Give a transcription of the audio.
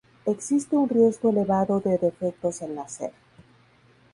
Existe un riesgo elevado de defectos al nacer.